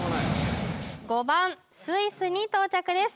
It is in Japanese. ５番スイスに到着です